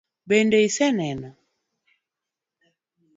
Bende isenene?